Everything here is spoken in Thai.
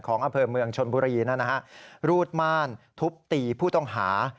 อำเภอเมืองชนบุรีนะฮะรูดม่านทุบตีผู้ต้องหา